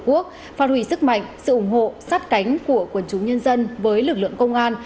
quốc phát hủy sức mạnh sự ủng hộ sát cánh của quần chúng nhân dân với lực lượng công an